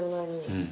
うん。